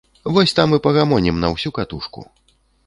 Вось там і пагамонім на ўсю катушку.